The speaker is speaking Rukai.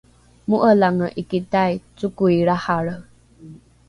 mo’elange iki tai cokoi lrahalre